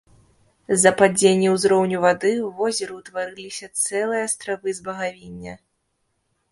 З-за падзення ўзроўню вады ў возеры ўтварыліся цэлыя астравы з багавіння.